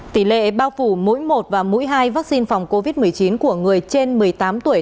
tỷ lệ bao phủ mỗi một và mũi hai vaccine phòng covid một mươi chín của người trên một mươi tám tuổi